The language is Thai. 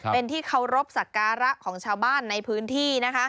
เป็นที่เคารพสักการะของชาวบ้านในพื้นที่นะคะ